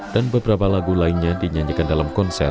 dan beberapa lagu lainnya dinyanyikan dalam konser